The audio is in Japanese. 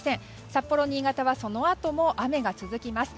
札幌、新潟はそのあとも雨が続きます。